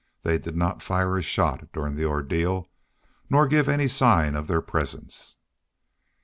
They did not fire a shot during the ordeal nor give any sign of their presence.